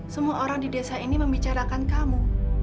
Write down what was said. semua orang di desa ini membicarakan kamu